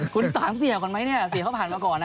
คุณถามเสียก่อนไหมเนี่ยเสียเขาผ่านมาก่อนนะ